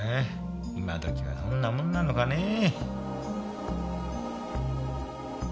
今時はそんなもんなのかねぇ。